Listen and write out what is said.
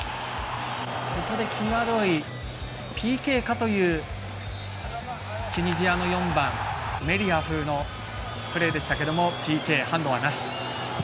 ここで際どい、ＰＫかというチュニジアの４番、メリアフのプレーでしたけどＰＫ、ハンドはなし。